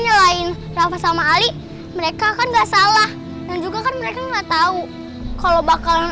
nyalain rafa sama ali mereka kan enggak salah dan juga kan mereka enggak tahu kalau bakalan